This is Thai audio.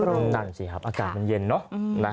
นั่นสิครับอากาศมันเย็นเนอะ